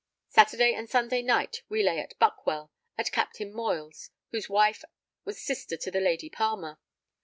Saturday and Sunday night we lay at Buckwell, at Captain Moyle's, whose wife was sister to the Lady Palmer.